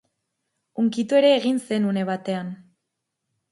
Hunkitu ere egin zen une batean.